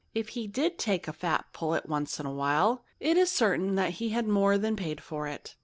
If he did take a fat pullet once in a while, it is certain that he more than paid for it.